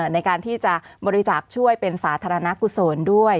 ในการที่จะบริจาคช่วยเป็นสาธารณกุศลด้วย